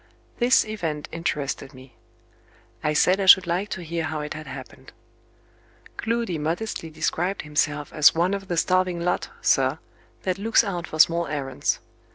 This event interested me. I said I should like to hear how it had happened. Gloody modestly described himself as "one of the starving lot, sir, that looks out for small errands.